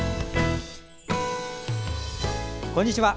こんにちは。